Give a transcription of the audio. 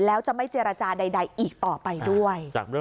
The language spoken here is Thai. แล้วจะไม่เจรจาใดอีกต่อไปด้วย